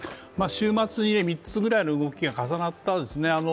週末に３つぐらいの動きが重なったんですね。